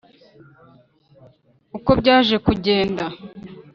Uko byaje kugenda